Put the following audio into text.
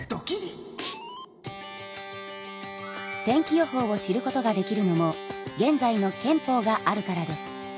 天気予報を知ることができるのも現在の憲法があるからです。